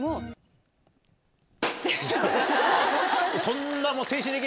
そんな。